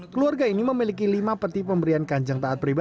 keluarga ini memiliki lima peti pemberian kanjeng